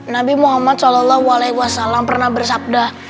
nabi muhammad saw pernah bersabdah